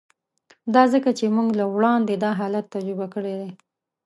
دا ځکه چې موږ له وړاندې دا حالت تجربه کړی دی